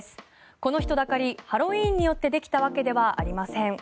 この人だかりハロウィーンによってできたわけではありません。